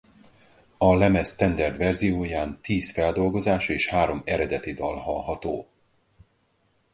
A lemez standard verzióján tíz feldolgozás és három eredeti dal hallható.